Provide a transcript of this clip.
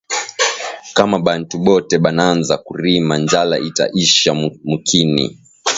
Kama bantu bote bananza ku rima njala ita isha mu mukini